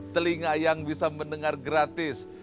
telinga yang bisa mendengar gratis